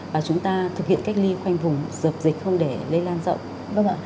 và chúng ta thực hiện cách ly khoanh vùng dập dịch không để lây lan rộng